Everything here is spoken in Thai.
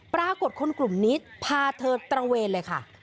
ปรากฏคนกลุ่มนี้พาเธอตระเวนเลยค่ะ